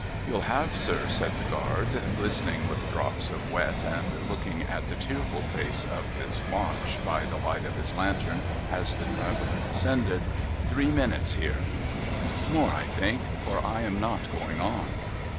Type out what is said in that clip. ' You'll have, sir,' said the guard, glistening with drops of wet, and looking at the tearful face of his watch by the light of his lantern as the traveller descended, ' three minutes here.' ' More, I think. — For I am not going on.'